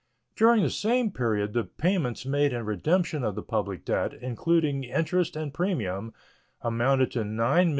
During the same period the payments made in redemption of the public debt, including interest and premium, amounted to $9,844,528.